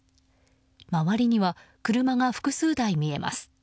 周りには車が複数台、見えます。